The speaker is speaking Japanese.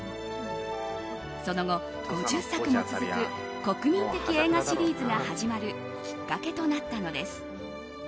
その後、５０作も続く国民的映画シリーズが始まるきっかけとなったのです。